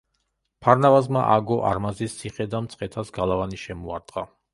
ფარნავაზმა ააგო არმაზის ციხე და მცხეთას გალავანი შემოარტყა.